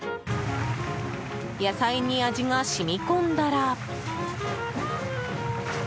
野菜に味が染み込んだら。